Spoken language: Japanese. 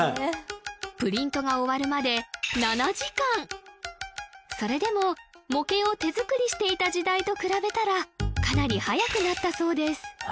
プリントが終わるまでそれでも模型を手作りしていた時代と比べたらかなり早くなったそうです何？